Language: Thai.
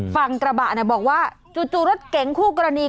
ฝั่งกระบะบอกว่าจู่รถเก๋งคู่กรณี